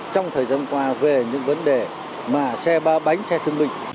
trong thời gian qua về những vấn đề mà xe ba bánh xe thương binh